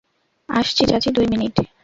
আসছি চাচা, দুই মিনিট।